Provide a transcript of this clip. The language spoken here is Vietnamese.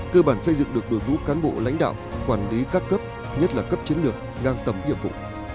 cơ bản xây dựng được đội ngũ cán bộ lãnh đạo quản lý các cấp nhất là cấp chiến lược ngang tầm nhiệm vụ